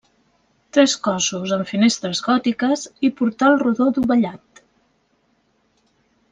Tres cossos amb finestres gòtiques i portal rodó dovellat.